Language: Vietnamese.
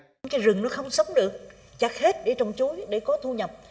cái rừng nó không sống được chặt hết để trồng chối để có thu nhập